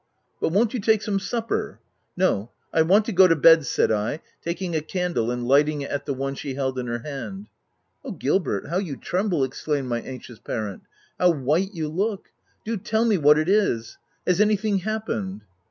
" But won't you take some supper ?"" No, I want to go to bed," said I, taking a candle and lighting it at the one she held in her hand. "•Oh, Gilbert, how you tremble V 9 exclaimed my anxious parent. " How white you look !— Do tell me what it is ? Has anything hap pened